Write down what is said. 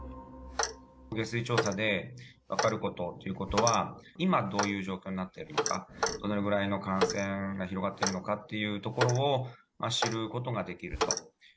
下水調査で分かることということは、今どういう状況になっているのか、どのぐらいの感染が広がってるのかというところを知ることができると。